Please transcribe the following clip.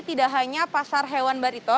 tidak hanya pasar hewan barito